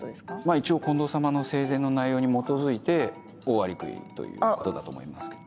一応近藤様の生前の内容に基づいてオオアリクイということだと思いますけども。